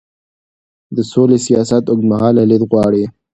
د سولې سیاست اوږدمهاله لید غواړي